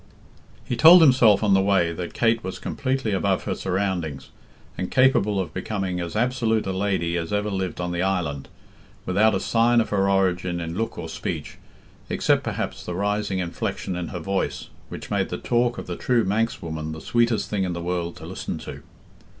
He told himself on the way that Kate was completely above her surroundings, and capable of becoming as absolute a lady as ever lived on the island, without a sign of her origin in look or speech, except perhaps the rising inflexion in her voice which made the talk of the true Manxwoman the sweetest thing in the world to listen to.